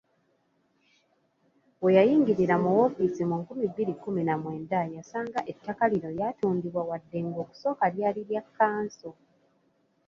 We yayingirira mu woofiisi mu nkumi bbiri kkumi na mwenda yasanga ettaka lino lyatundibwa wadde ng'okusooka lyali lya kkanso.